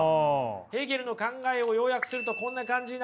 ヘーゲルの考えを要約するとこんな感じになります。